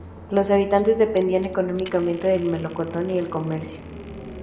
Los habitantes dependían económicamente del melocotón y el comercio.